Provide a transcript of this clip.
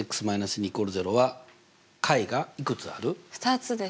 ２つです。